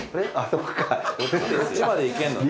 そっちまで行けんのね。